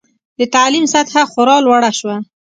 د تعلیم سطحه خورا لوړه شوه.